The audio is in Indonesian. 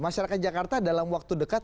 masyarakat jakarta dalam waktu dekat